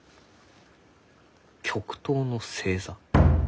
「極東の星座」。